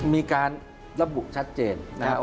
มีการระบุชัดเจนนะครับ